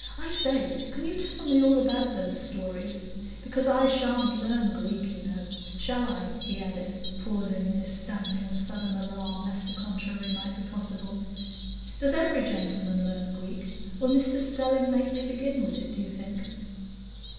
"I say, can you tell me all about those stories? Because I sha'n't learn Greek, you know. Shall I?" he added, pausing in his stamping with a sudden alarm, lest the contrary might be possible. "Does every gentleman learn Greek? Will Mr Stelling make me begin with it, do you think?"